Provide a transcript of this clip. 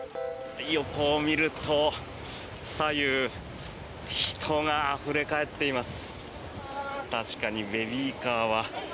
横を見ると左右、人があふれ返っています。